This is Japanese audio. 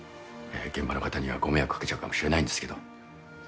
現場の方にはご迷惑かけちゃうかもしれないですけど。